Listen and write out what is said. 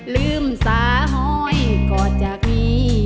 ลืมสาหอยกอดจากนี้